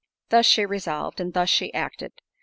Thus she resolved, and thus she acted.